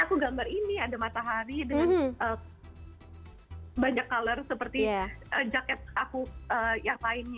aku gambar ini ada matahari dengan banyak color seperti jaket aku yang lainnya